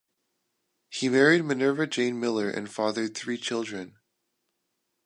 He married Minerva Jane Miller and fathered three children.